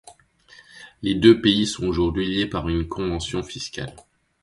Les deux pays sont aujourd'hui liés par une convention fiscale.